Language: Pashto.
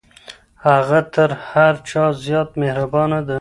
هغه تر هر چا زیاته مهربانه ده.